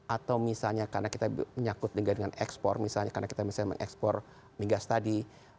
atau misalnya karena kita menyakut dengan ekspor misalnya karena kita misalnya mengekspor migas tadi